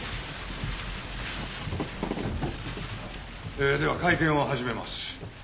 えでは会見を始めます。